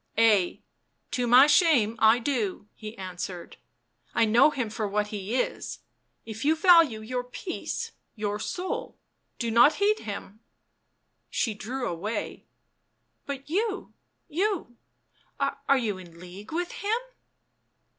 " Ay, to my shame I do," he answered. " I know him for what he is; if you value your peace, your soul — do not heed him." She drew away. " But you — you Are you in league with him